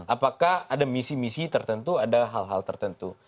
apakah ada misi misi tertentu ada hal hal tertentu